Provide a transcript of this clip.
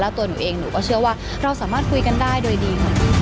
ตัวหนูเองหนูก็เชื่อว่าเราสามารถคุยกันได้โดยดีค่ะ